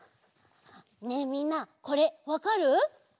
ねえみんなこれわかる？